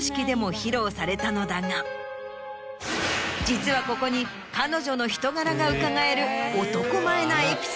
実はここに彼女の人柄がうかがえる。